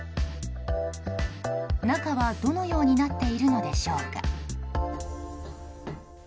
中は、どのようになっているのでしょうか。